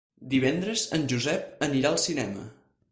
Divendres en Josep anirà al cinema.